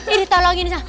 ini tolongin ya